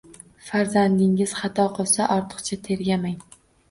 Farzandingiz xato qilsa, ortiqcha tergamang.